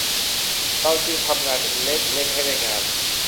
เราจึงทำงานเป็นเล่น เล่นให้ได้งาน